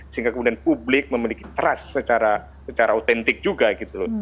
sehingga kemudian publik memiliki trust secara otentik juga gitu loh